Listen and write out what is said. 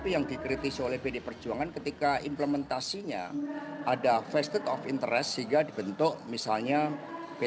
yang dikritisi oleh pd perjuangan ketika implementasinya ada vested of interest sehingga dibentuk misalnya p tiga